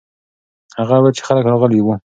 هغه وویل چې خلک راغلي وو.